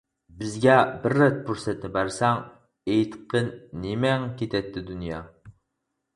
بىزگە بىر رەت پۇرسەتنى بەرسەڭ، ئېيتقىن نېمەڭ كېتەتتى دۇنيا.